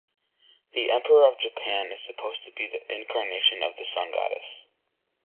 The Emperor of Japan is supposed to be an incarnation of the sun goddess.